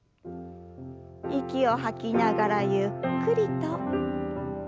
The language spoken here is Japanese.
息を吐きながらゆっくりと。